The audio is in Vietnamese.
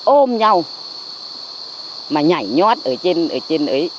ôm nhau mà nhảy nhót ở trên ấy